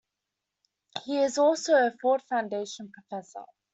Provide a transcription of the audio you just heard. He is also a Ford Foundation Professor.